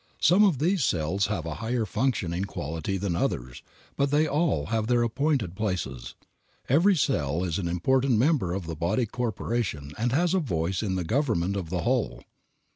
Some of these cells have a higher functioning quality than others, but they all have their appointed places. Every cell is an important member of the body corporation and has a voice in the government of the whole.